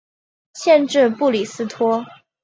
县治布里斯托。